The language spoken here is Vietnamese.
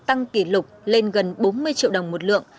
tăng kỷ lục lên gần bốn mươi triệu đồng một lượng